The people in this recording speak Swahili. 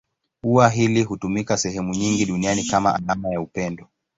Ua hili hutumika sehemu nyingi duniani kama alama ya upendo.